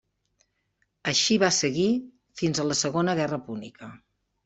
Així va seguir fins a la Segona Guerra Púnica.